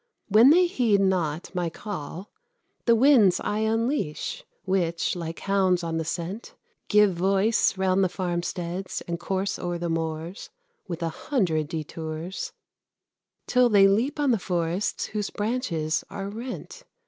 When they heed not my call, The winds I unleash, which, like hounds on the scent, Give voice round the farmsteads, and course o'er the moors, With a hundred detours, Till they leap on the forests, whose branches are rent.